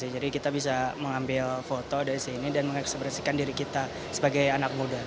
jadi kita bisa mengambil foto dari sini dan mengekspresikan diri kita sebagai anak muda